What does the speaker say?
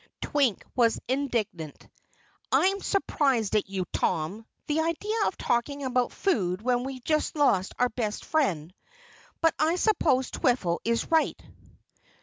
Twink was indignant. "I'm surprised at you, Tom! The idea of talking about food when we've just lost our best friend! But I suppose Twiffle is right."